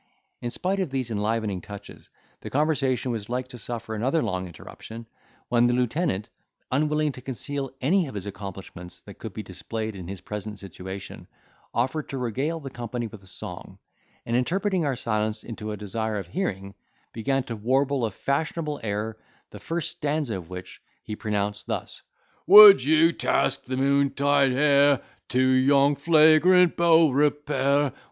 In spite of these enlivening touches, the conversation was like to suffer another long interruption, when the lieutenant, unwilling to conceal any of his accomplishments that could be displayed in his present situation, offered to regale the company with a song; and, interpreting our silence into a desire of hearing, began to warble a fashionable air the first stanza of which he pronounced thus: "Would you task the moon tide hair, To yon flagrant beau repair.